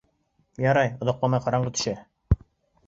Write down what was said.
Ярай, оҙаҡламай ҡараңғы төшә...